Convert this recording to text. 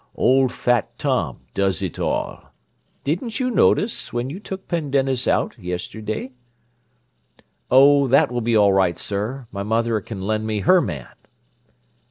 Old fat Tom does it all. Didn't you notice, when you took Pendennis out, yesterday?" "Oh, that will be all right, sir. My mother can lend me her man."